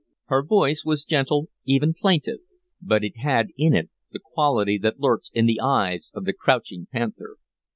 Her voice was gentle, even plaintive, but it had in it the quality that lurks in the eyes of the crouching panther.